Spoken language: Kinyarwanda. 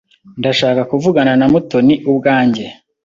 Ndashaka kuvugana na Mutoni ubwanjye.